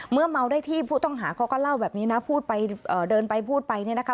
เมาได้ที่ผู้ต้องหาเขาก็เล่าแบบนี้นะพูดไปเดินไปพูดไปเนี่ยนะคะ